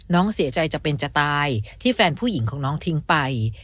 น้องเสียใจจะเป็นจะตายที่แฟนผู้หญิงของน้องทิ้งไป